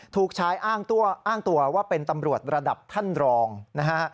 ถูกชายอ้างตัวอ้างตัวว่าเป็นตำรวจระดับท่านรองนะฮะ